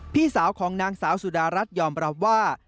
พี่สาวของนางสาวสุดารัฐยอมรับว่า